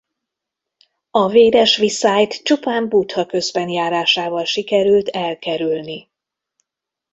A véres viszályt csupán Buddha közbenjárásával sikerült elkerülni.